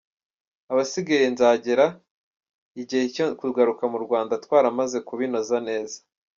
Abasigaye nzagera igihe cyo kugaruka mu Rwanda twaramaze kubinoza neza.